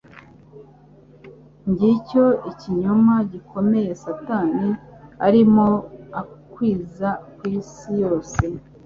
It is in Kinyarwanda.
Ngicyo ikinyoma gikomeye Satani arimo akwiza ku isi yose.